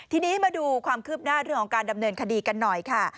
ทีนี้มาดูความคืบหน้าเรื่องของการดำเนินคดีกันหน่อยค่ะ